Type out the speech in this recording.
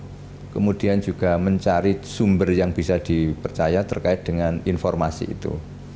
kemudian juga mencari sumber yang bisa dipercaya terkait dengan informasi itu